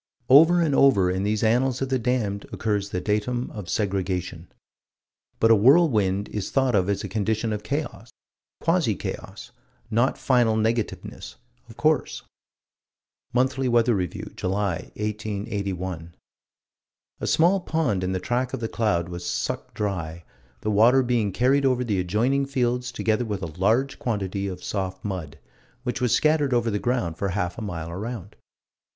Over and over in these annals of the damned occurs the datum of segregation. But a whirlwind is thought of as a condition of chaos quasi chaos: not final negativeness, of course Monthly Weather Review, July, 1881: "A small pond in the track of the cloud was sucked dry, the water being carried over the adjoining fields together with a large quantity of soft mud, which was scattered over the ground for half a mile around."